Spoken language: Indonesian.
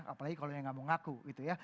apalagi kalau yang gak mau ngaku gitu ya